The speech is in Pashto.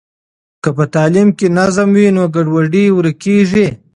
که په تعلیم کې نظم وي نو ګډوډي ورکیږي.